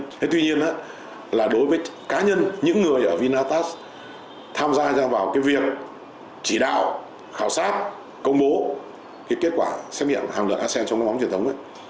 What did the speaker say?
thế tuy nhiên đối với cá nhân những người ở vinatast tham gia vào việc chỉ đạo khảo sát công bố kết quả xem hiệm hàng luật asean trong các bóng truyền thống